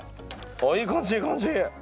あいい感じいい感じ。